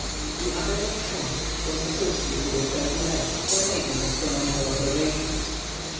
The Abbé Rochon was associated with Kerguelen, for making astronomical observations.